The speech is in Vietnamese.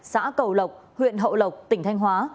xã cầu lộc huyện hậu lộc tỉnh thanh hóa